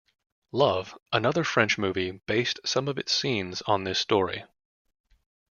"Love," another French movie, based some of its scenes on this story.